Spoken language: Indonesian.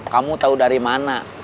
kamu tau dari mana